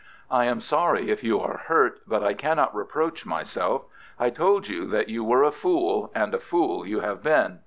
I am sorry if you are hurt, but I cannot reproach myself. I told you that you were a fool—and a fool you have been."